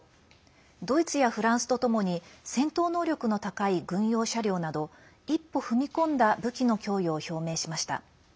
ドイツやフランスとともに戦闘能力の高い軍用車両など一歩踏み込んだ武器の供与を表明しました。